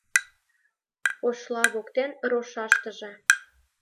Ошла воктен рошаштыже